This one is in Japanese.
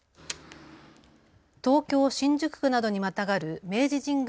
東京新宿区などにまたがる明治神宮